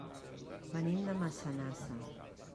Venim de Massanassa.